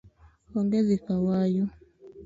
Onge dhi kawayu